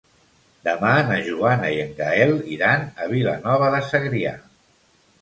Demà na Joana i en Gaël iran a Vilanova de Segrià.